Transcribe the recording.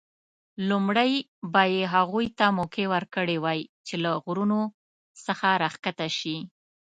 لومړی به یې هغوی ته موقع ورکړې وای چې له غرونو څخه راښکته شي.